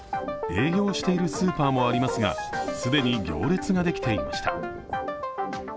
営業しているスーパーもありますが、既に行列ができていました。